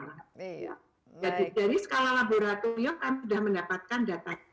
jadi dari skala laboratorium kami sudah mendapatkan data